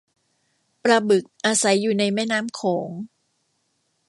ปลาบึกอาศัยอยู่ในแม่น้ำโขง